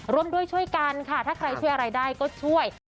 ร่วมด้วยช่วยกันค่ะถ้าใครช่วยอะไรได้ก็ช่วย